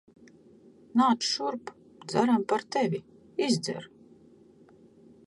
Nāc šurp. Dzeram par tevi. Izdzer.